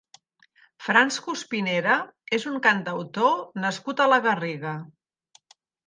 Frans Cuspinera és un cantautor nascut a la Garriga.